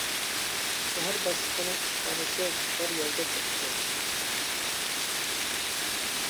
شەھەر باشلىقىنىڭ ئىشخانىسى بار يەرگە كەپتۇ.